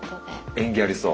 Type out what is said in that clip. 縁起ありそう。